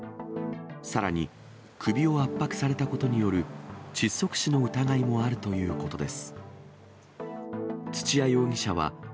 さらに、首を圧迫されたことによる窒息死の疑いもあるということです。